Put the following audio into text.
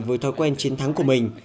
với thói quen chiến thắng của mình